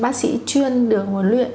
bác sĩ chuyên được nguồn luyện